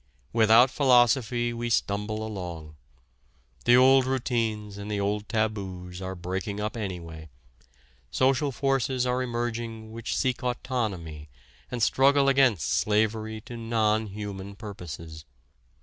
Without philosophy we stumble along. The old routines and the old taboos are breaking up anyway, social forces are emerging which seek autonomy and struggle against slavery to non human purposes.